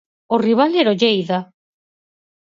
O rival era o Lleida.